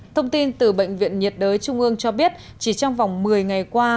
thông tin từ bệnh viện nhiệt đới trung ương cho biết chỉ trong vòng một mươi ngày qua